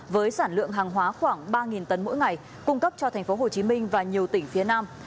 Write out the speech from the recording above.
với sản lượng hàng hóa khoảng ba tấn mỗi ngày cung cấp cho tp hcm và nhiều tỉnh phía nam